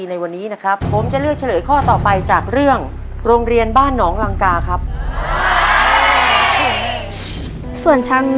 ขอยละพวกน้องเย็นเลยอ้าว